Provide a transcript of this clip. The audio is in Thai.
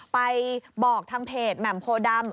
ไปบอกทางเพจแหม่มโพดำ